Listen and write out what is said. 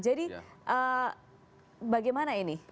jadi bagaimana ini